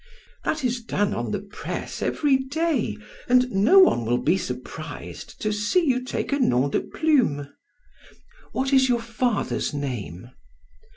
That is done on the press every day and no one will be surprised to see you take a nom de plume. What is your father's name?"